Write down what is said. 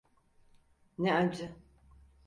Ne acı.